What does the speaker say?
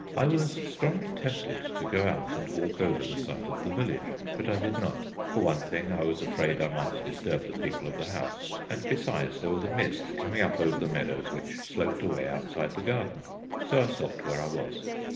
I was strongly tempted to go out and walk over the site of the village, but I did not. For one thing I was afraid I might disturb the people of the house, and besides there was a mist coming up over the meadows which sloped away outside the garden. So I stopped where I was.